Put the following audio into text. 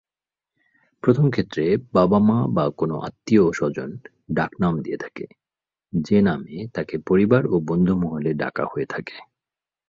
প্রথম ক্ষেত্রে বাবা-মা বা কোন আত্মীয় স্বজন ডাকনাম দিয়ে থাকে, যে নামে তাকে পরিবার ও বন্ধু মহলে ডাকা হয়ে থাকে।